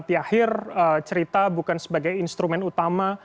nah ini kemudian ini cerita bukan sebagai instrumen utama